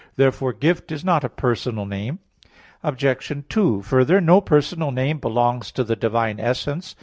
Therefore "Gift" is not a personal name. Obj. 2: Further, no personal name belongs to the divine essence.